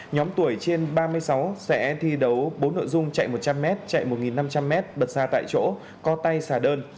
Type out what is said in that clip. nhóm tuổi trên ba mươi sáu sẽ thi đấu bốn nội dung chạy một trăm linh m chạy một năm trăm linh m bật xa tại chỗ co tay xả đơn